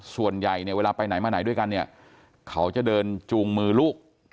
ส่วนใหญ่เนี่ยเวลาไปไหนมาไหนด้วยกันเนี่ยเขาจะเดินจูงมือลูก